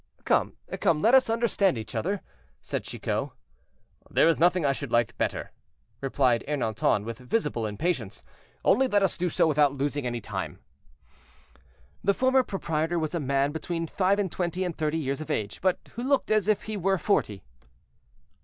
"Come, come, let us understand each other," said Chicot. "There is nothing I should like better," replied Ernanton, with visible impatience, "only let us do so without losing any time." "The former proprietor was a man between five and twenty and thirty years of age, but who looked as if he were forty."